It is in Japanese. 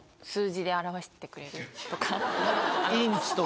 インチとか。